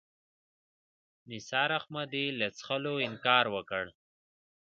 نثار احمدي له څښلو انکار وکړ.